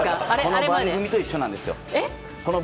この番組と一緒なんですよ。